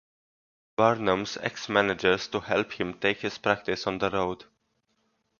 Barnum's ex-managers to help him take his practice on the road.